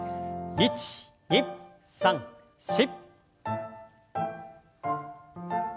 １２３４。